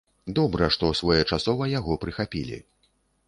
Добра, што своечасова яго прыхапілі.